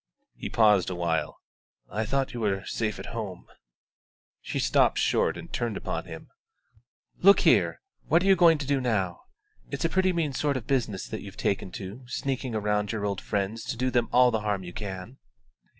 He paused awhile. "I thought you were safe at home." She stopped short and turned upon him. "Look here! what are you going to do now? It's a pretty mean sort of business this you've taken to, sneaking round your old friends to do them all the harm you can."